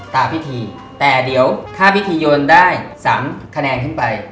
ตามพิธีแต่เดี๋ยวถ้าพิธีโยนได้๓คะแนนขึ้นไป